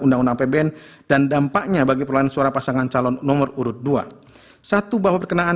undang undang apbn dan dampaknya bagi perolahan suara pasangan calon nomor urut dua satu bahwa perkenaan